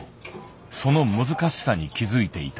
その難しさに気付いていた。